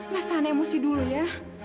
mas tahan emosi dulu ya